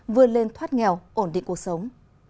vươn lên thoát nghèo ổn định cuộc sống